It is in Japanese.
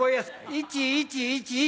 １１１１。